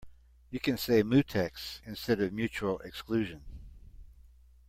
You can say mutex instead of mutual exclusion.